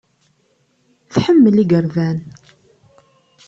Tḥemmel igerdan.